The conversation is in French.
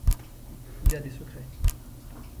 Il a des secrets…